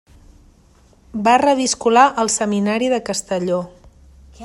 Va reviscolar el Seminari de Castelló.